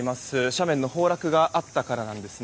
斜面の崩落があったからです。